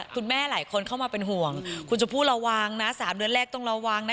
หลายคนเข้ามาเป็นห่วงคุณชมพู่ระวังนะ๓เดือนแรกต้องระวังนะ